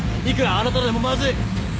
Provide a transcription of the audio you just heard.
いくらあなたでもまずい。